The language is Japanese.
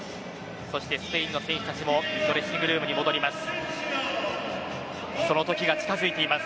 そして、スペインの選手たちもドレッシングルームに戻ります。